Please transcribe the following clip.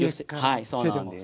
はいそうなんです。